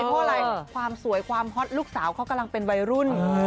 เพราะอะไรความสวยความฮอตลูกสาวเขากำลังเป็นวัยรุ่น